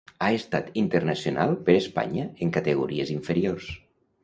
Ha estat internacional per Espanya en categories inferiors.